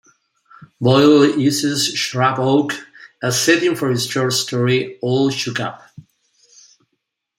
Boyle uses Shrub Oak as setting for his short story "All Shook Up".